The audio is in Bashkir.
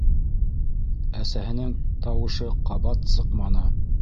- Әсәһенең тауышы ҡабат сыҡманы.